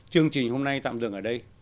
chương trình hôm nay tạm dừng ở đây